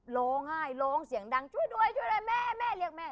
ร้องไห้ร้องเสียงดังช่วยด้วยช่วยด้วยแม่แม่เรียกแม่